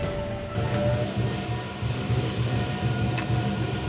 kota ini juga berada di kota yang sangat keras